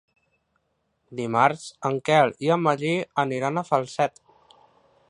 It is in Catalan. Dimarts en Quel i en Magí aniran a Falset.